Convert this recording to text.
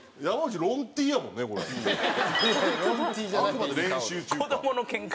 あくまで練習中か。